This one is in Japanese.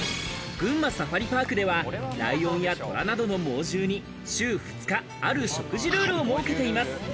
群馬サファリパークでは、ライオンやトラなどの猛獣に週２日、ある食事ルールを設けています。